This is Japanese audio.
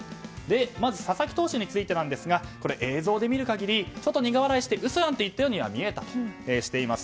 まず、佐々木投手についてですが映像で見る限り苦笑いして嘘やんといったようには見えたとしています。